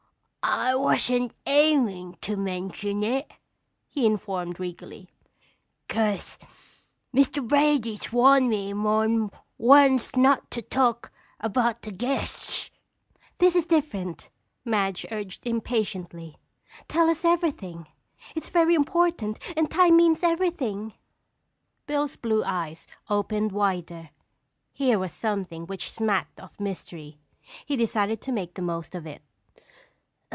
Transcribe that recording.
"I wasn't aimin' to mention it," he informed regally, "'cause Mr. Brady's warned me mor'n once not to talk about the guests—" "This is different," Madge urged impatiently. "Tell us everything. It's very important and time means everything!" Bill's blue eyes opened wider. Here was something which smacked of mystery. He decided to make the most of it.